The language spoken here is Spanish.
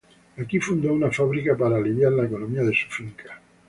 Aquí fundó una fábrica para aliviar la economía de su finca.